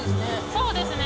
そうですね。